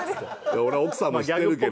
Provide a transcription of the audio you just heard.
俺奥様知ってるけど。